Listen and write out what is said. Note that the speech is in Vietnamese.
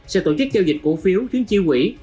sẽ tổ chức giao dịch cổ phiếu chuyến chiêu quỷ